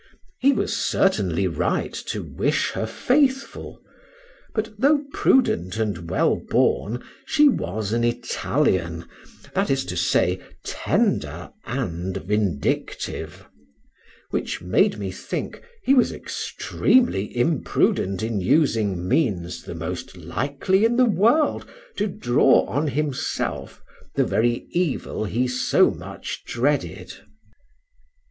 He was certainly right to wish her faithful; but though prudent and wellborn, she was an Italian, that is to say, tender and vindictive; which made me think, he was extremely imprudent in using means the most likely in the world to draw on himself the very evil he so much dreaded.